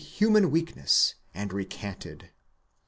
human weakness and recanted.